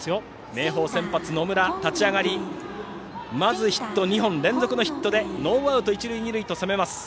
明豊、先発の野村の立ち上がりをまずヒット２本、連続ヒットでノーアウト、一塁二塁と攻めます。